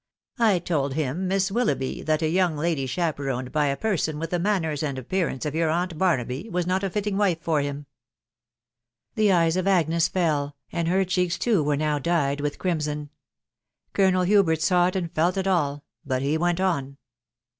" I told him, Miss Willoughby, that a young lady chape roned by a person with the manners and appearance of your aunt Barnaby was not a fitting wife for him ...." The eyes of Agnes fell, and her cheeKs too were now dyed with crimson. Colonel Hubert saw it, and felt it all, but he went on.